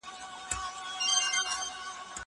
زه هره ورځ انځور ګورم.